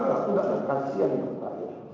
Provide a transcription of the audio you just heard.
tapi tidak terkasih yang ditanya